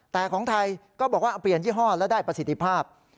แต่ของไทยก็บอกว่าเปลี่ยนยี่ห้อและได้ประสิทธิภาพ